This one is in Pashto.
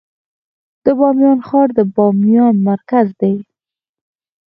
د بامیان ښار د بامیان مرکز دی